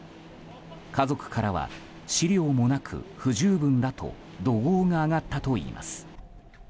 家族からは資料もなく不十分だと怒号が上がったといいます。